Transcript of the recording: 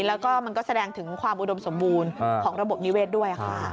แล้วก็มันก็แสดงถึงความอุดมสมบูรณ์ของระบบนิเวศด้วยค่ะ